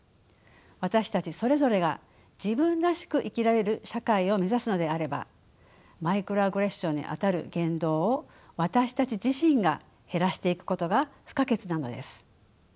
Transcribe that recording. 私たちそれぞれが自分らしく生きられる社会を目指すのであればマイクロアグレッションにあたる言動を私たち自身が減らしていくことが不可欠なのです。